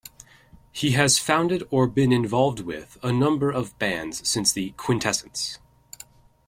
He has founded or been involved with a number of bands since The Quintessence.